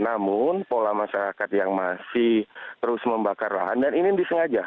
namun pola masyarakat yang masih terus membakar lahan dan ini disengaja